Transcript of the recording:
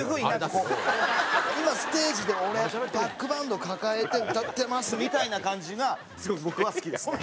今ステージで俺バックバンド抱えて歌ってますみたいな感じがすごい僕は好きですね。